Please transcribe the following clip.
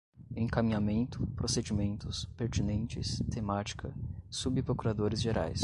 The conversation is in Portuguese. encaminhamento, procedimentos, pertinentes, temática, subprocuradores-gerais